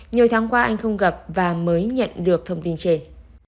nhiều tháng qua anh không gặp và mới nhận được thông tin trên